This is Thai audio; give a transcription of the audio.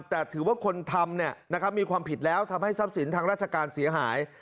แต่ถือว่าคนทำเนี่ยมีความผิดแล้วทำให้ซ้ำศิลป์ทางราชการเสียหาย